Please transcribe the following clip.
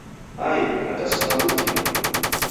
Ai, hata sitambukilo!